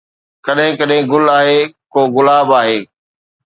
ڪڏھن ڪڏھن گل آھي، ڪو گلاب آھي